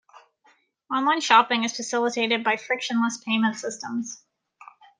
Online shopping is facilitated by frictionless payment systems.